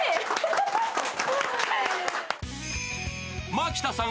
蒔田さん